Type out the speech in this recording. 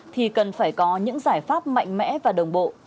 thì cần phải có những giải pháp mạnh mẽ và đồng bộ